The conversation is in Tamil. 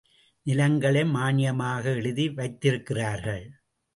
நிலங்களை மான்யமாக எழுதி வைத்திருக்கிறார்கள்.